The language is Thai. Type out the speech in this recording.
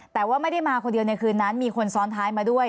แต่ว่าไม่ได้มาคนเดียวในคืนนั้นมีคนซ้อนท้ายมาด้วย